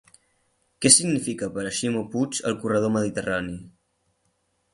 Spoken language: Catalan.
Què significa per a Ximo Puig el corredor mediterrani?